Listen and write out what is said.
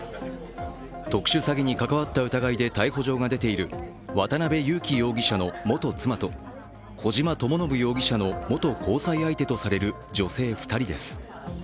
特殊詐欺に関わった疑いで逮捕状が出ている渡辺優樹容疑者の元妻と小島智信容疑者の元交際相手とされる女性２人です。